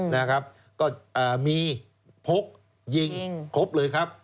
นะครับก็มีพกยิงครบเลยครับ